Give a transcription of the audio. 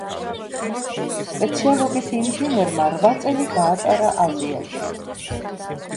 სპეციალობით ინჟინერმა რვა წელი გაატარა აზიაში.